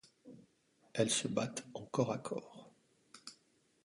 Elles se battent en corps à corps.